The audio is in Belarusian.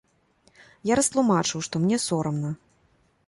Я растлумачыў, што мне сорамна.